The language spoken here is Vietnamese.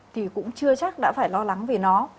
thì cũng chưa chắc đã phải lo lắng về nó